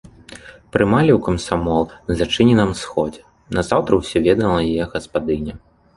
Прымалі ў камсамол на зачыненым сходзе, назаўтра ўсё ведала яе гаспадыня.